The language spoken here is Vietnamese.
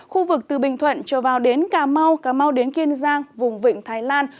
khu vực từ bình thuận trở vào đến cà mau cà mau đến kiên giang vùng vịnh thái lan